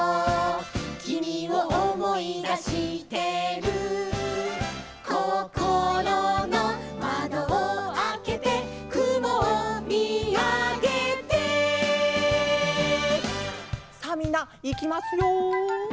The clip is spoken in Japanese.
「君を思い出してる」「こころの窓をあけて」「雲を見あげて」さあみんないきますよ。